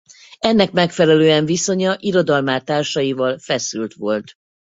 Ennek megfelelően viszonya irodalmár társaival feszült volt.